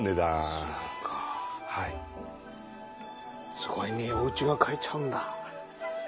すごいねおうちが買えちゃうんだ。